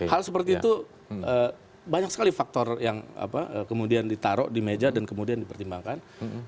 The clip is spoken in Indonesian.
hal seperti itu banyak sekali faktor yang kemudian ditaruh di meja dan kemudian dipertimbangkan